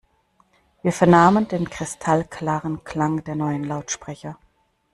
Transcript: Wir vernahmen den kristallklaren Klang der neuen Lautsprecher.